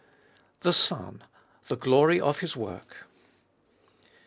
THE SON THE GLORY OP HIS WORK.